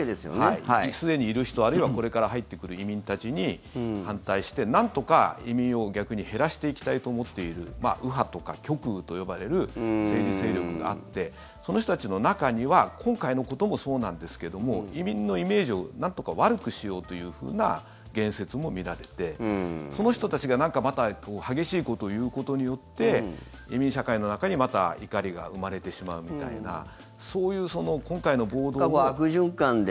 すでにいる人あるいはこれから入ってくる移民たちに反対してなんとか移民を、逆に減らしていきたいと思っている右派とか極右と呼ばれる政治勢力があってその人たちの中には今回のこともそうなんですけども移民のイメージをなんとか悪くしようというふうな言説も見られてその人たちが何かまた激しいことを言うことによって移民社会の中にまた怒りが生まれてしまうみたいな悪循環で。